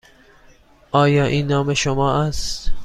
آیا این نام شما است؟